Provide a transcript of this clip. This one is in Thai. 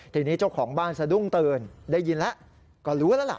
ทีนี้เจ้าของบ้านสะดุ้งตื่นได้ยินแล้วก็รู้แล้วล่ะ